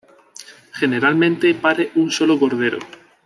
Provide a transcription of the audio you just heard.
Generalmente pare un solo cordero.